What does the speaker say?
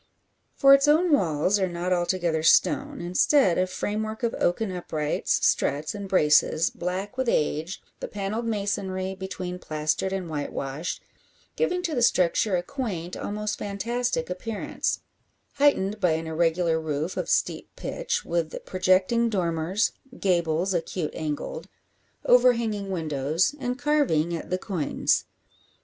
For its own walls are not altogether stone; instead a framework of oaken uprights, struts, and braces, black with age, the panelled masonry between plastered and white washed, giving to the structure a quaint, almost fantastic, appearance, heightened by an irregular roof of steep pitch, with projecting dormers, gables acute angled, overhanging windows, and carving at the coigns.